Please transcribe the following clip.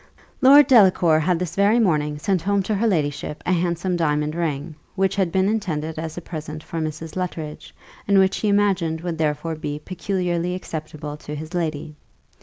Lord Delacour had this very morning sent home to her ladyship a handsome diamond ring, which had been intended as a present for Mrs. Luttridge, and which he imagined would therefore be peculiarly acceptable to his lady.